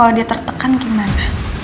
kalau dia tertekan gimana